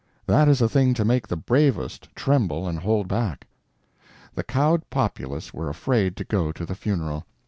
That is a thing to make the bravest tremble and hold back. The cowed populace were afraid to go to the funeral.